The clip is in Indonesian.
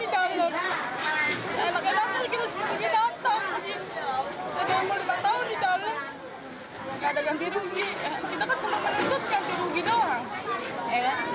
tidak ada ganti rugi kita kan cuma penduduk ganti rugi doang